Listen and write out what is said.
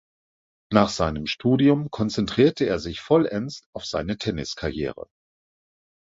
Nach seinem Studium konzentrierte er sich vollends auf seine Tenniskarriere.